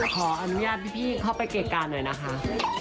ขออนุญาตพี่เข้าไปเกะการหน่อยนะคะ